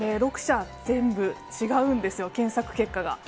６社全部違うんですよ、検索結果が。